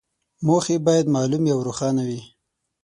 موخې باید معلومې او روښانه وي.